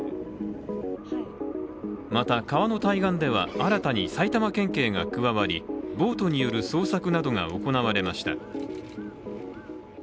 また、川の対岸では新たに埼玉県警が加わりボートによる捜索などが行われました。